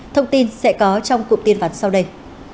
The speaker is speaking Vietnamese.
thông tin sẽ có trong cụm tin vắn sau đây